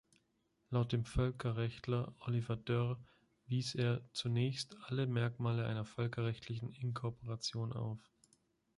Laut dem Völkerrechtler Oliver Dörr wies er „zunächst alle Merkmale einer völkerrechtlichen Inkorporation auf“.